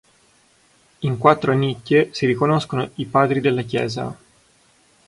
In quattro nicchie si riconoscono i padri della Chiesa.